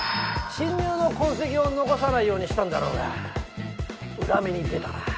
侵入の痕跡を残さないようにしたんだろうが裏目に出たな。